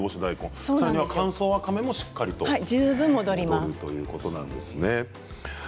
あと乾燥わかめもしっかりと戻るということなんですね。